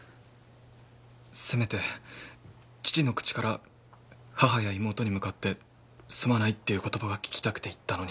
せめて父の口から母や妹に向かってすまないっていう言葉が聞きたくて行ったのに。